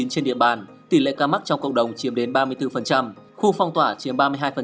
trên địa bàn tỷ lệ ca mắc trong cộng đồng chiếm đến ba mươi bốn khu phong tỏa chiếm ba mươi hai